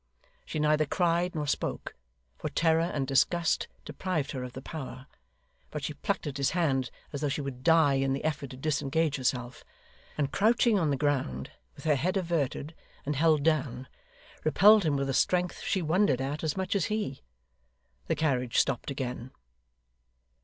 She neither cried nor spoke, for terror and disgust deprived her of the power; but she plucked at his hand as though she would die in the effort to disengage herself; and crouching on the ground, with her head averted and held down, repelled him with a strength she wondered at as much as he. The carriage stopped again.